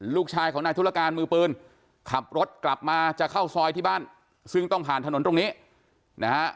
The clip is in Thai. ลูกชายของนายธุรการมือปืนขับรถกลับมาจะเข้าซอยที่บ้านซึ่งต้องผ่านถนนตรงนี้นะฮะ